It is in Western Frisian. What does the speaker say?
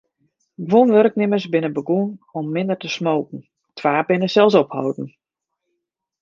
Guon wurknimmers binne begûn om minder te smoken, twa binne sels opholden.